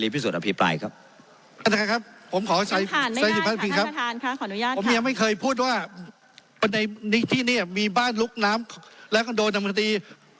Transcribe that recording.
ผมยังไม่เคยพูดว่าในที่นี้มีบ้านลุกน้ำและกันโดนธรรมคตี